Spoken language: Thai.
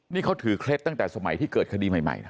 นี่เขาถือเคล็ดตั้งแต่สมัยที่เกิดคดีใหม่นะ